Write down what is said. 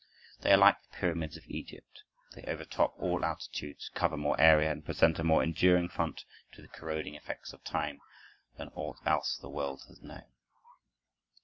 They are like the pyramids of Egypt; they overtop all altitudes, cover more area, and present a more enduring front to the "corroding effects of time" than aught else the world has known.